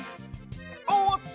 おっと！